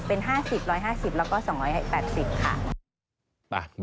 เป็น๕๐บาท๑๕๐บาทแล้วก็๒๘๐บาทค่ะ